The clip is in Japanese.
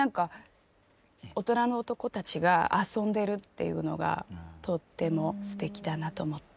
大人の男たちが遊んでるっていうのがとってもすてきだなと思って。